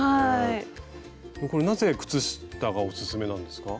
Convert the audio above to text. これなぜ靴下がおすすめなんですか？